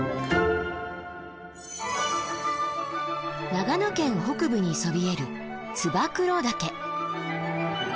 長野県北部にそびえる燕岳。